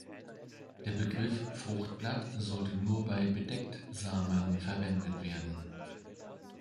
Der Begriff „Fruchtblatt“ sollte nur bei Bedecktsamern verwendet werden.